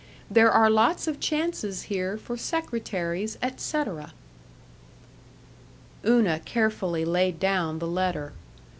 There are lots of chances here for secretaries, etc." Una carefully laid down the letter.